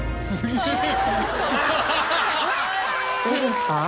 どうですか？